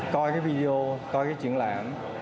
coi cái video coi cái truyện lãm